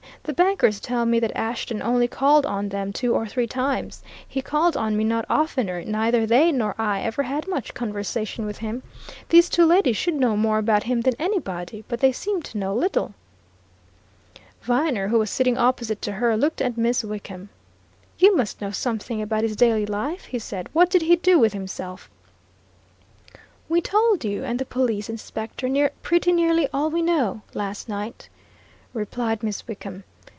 "The bankers tell me that Ashton only called on them two or three times; he called on me not oftener; neither they nor I ever had much conversation with him. These two ladies should know more about him than anybody but they seem to know little." Viner, who was sitting opposite to her, looked at Miss Wickham. "You must know something about his daily life?" he said. "What did he do with himself?" "We told you and the police inspector pretty nearly all we know, last night," replied Miss Wickham.